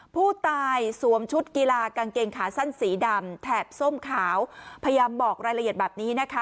ผู้ตายสวมชุดกีฬากางเกงขาสั้นสีดำแถบส้มขาวพยายามบอกรายละเอียดแบบนี้นะคะ